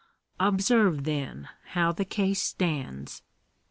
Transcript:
Observe, then, how the case stands.